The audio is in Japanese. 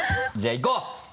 じゃあいこう！